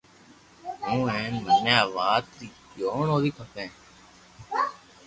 ھون ھين مني آوات ري جوڻ ھووي کمي